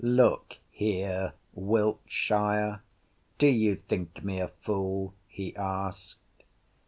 "Look here, Wiltshire, do you think me a fool?" he asked.